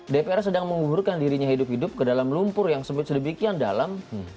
dpr sedang menguburkan dirinya hidup hidup ke dalam lumpur yang sedemikian dalam